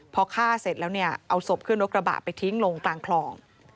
พอฆ่าเสร็จแล้วเนี่ยเอาศพขึ้นรถกระบะไปทิ้งลงกลางคลอง